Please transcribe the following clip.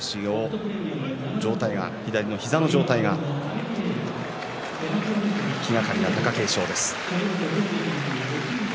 左の膝の状態が気がかりな貴景勝。